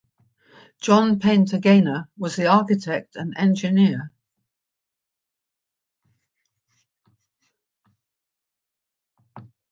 John Painter Gaynor was the architect and engineer.